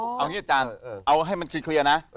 เอางี้อาจารย์เอาให้มันเคลียร์นะ